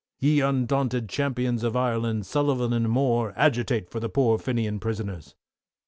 Ye undaunted Champions of Ireland, Sullivan and Moore, agitate for the poor Fenian prisoners.